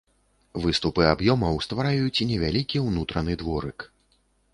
Выступы аб'ёмаў ствараюць невялікі ўнутраны дворык.